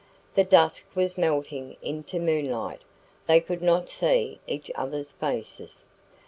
The dusk was melting into moonlight; they could not see each other's faces.